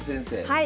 はい。